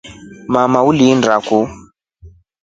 Mama ulinda ku.